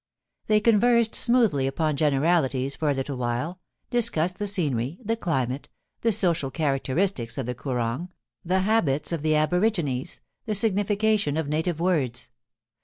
They conversed smoothly upon generalities for a little while, discussed the scenery, the climate, the social charac teristics of the Koorong, the habits of the Aborigines, the signification of native words.